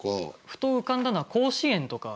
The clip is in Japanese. ふと浮かんだのは甲子園とか。